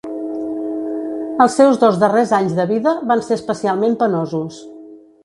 Els seus dos darrers anys de vida van ser especialment penosos.